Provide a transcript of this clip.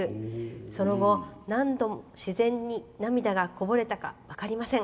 その後、何度自然に涙がこぼれたか分かりません。